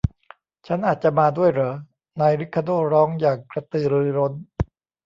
ฉันอาจจะมาด้วยเหรอ ? นายริคาร์โด้ร้องอย่างกระตือรือร้น